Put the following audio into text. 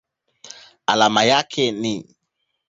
Alama yake ni Ni.